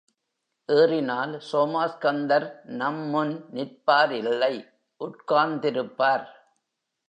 ஏறினால் சோமாஸ்கந்தர் நம்முன் நிற்பார் இல்லை, உட்கார்ந்திருப்பார்.